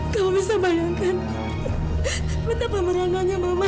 kamu bisa bayangkan betapa meramanya mama